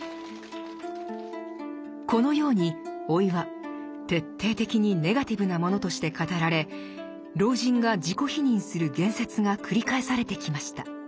このように老いは徹底的にネガティブなものとして語られ老人が自己否認する言説が繰り返されてきました。